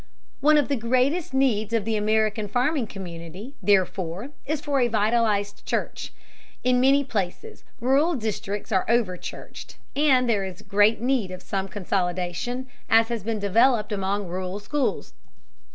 One of the greatest needs of the American farming community, therefore, is for a vitalized church. In many places rural districts are overchurched, and there is great need of some such consolidation as has been developed among rural schools.